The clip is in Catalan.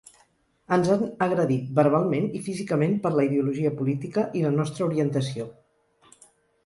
Ens han agredit verbalment i físicament per la ideologia política i la nostra orientació.